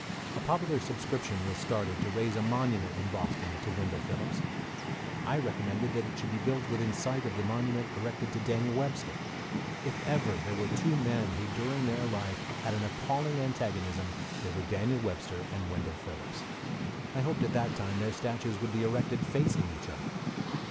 A popular subscription was started to raise a monument in Boston to Wendell Phillips. I recommended that it should be built within sight of the monument erected to Daniel Webster. If there were ever two men who during their life had an appalling antagonism, they were Daniel Webster and Wendell Phillips. I hoped at that time their statues would be erected facing each other.